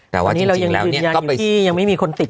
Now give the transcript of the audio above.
ตอนนี้เรายังยืนยาอยู่ที่ยังไม่มีคนติด